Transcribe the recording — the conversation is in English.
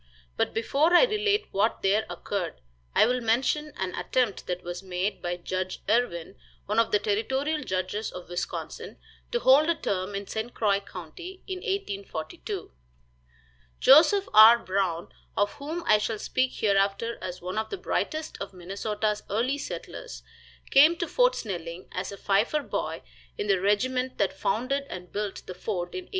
But before I relate what there occurred, I will mention an attempt that was made by Judge Irwin, one of the territorial judges of Wisconsin, to hold a term in St. Croix county, in 1842. Joseph R. Brown, of whom I shall speak hereafter as one of the brightest of Minnesota's early settlers, came to Fort Snelling as a fifer boy in the regiment that founded and built the fort in 1819.